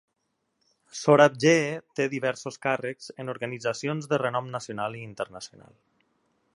Sorabjee té diversos càrrecs en organitzacions de renom nacional i internacional.